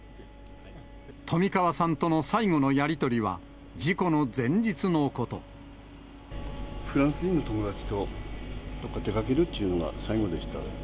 冨川さんとの最後のやり取りは、フランス人の友達と、どっか出かけるっちゅうのが最後でした。